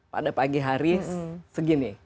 pada pagi hari segini